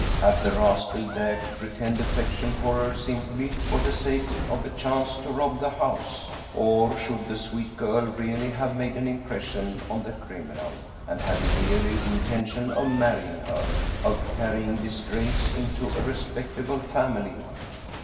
Had the rascal dared to pretend affection for her simply for the sake of the chance to rob the house? Or should the sweet girl really have made an impression on the criminal, and had he really the intention of marrying her, of carrying disgrace into a respectable family?